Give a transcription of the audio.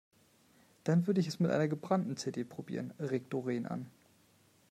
Dann würde ich es mit einer gebrannten CD probieren, regt Doreen an.